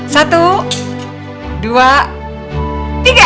satu dua tiga